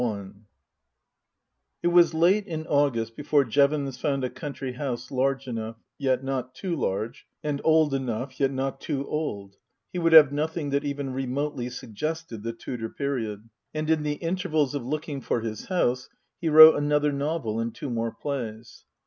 XI IT was late in August before Jevons found a country house large enough, yet not too large, and old enough, yet not too old he would have nothing that even remotely suggested the Tudor period. And in the intervals of looking for his house he wrote another novel and two more plays.